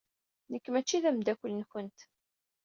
Nekk mačči d ameddakel-nkent.